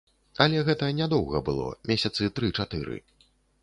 Але гэта нядоўга было, месяцы тры-чатыры.